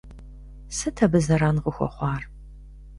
Сыт абы зэран къыхуэхъуар?